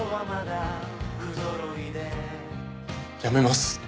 やめます。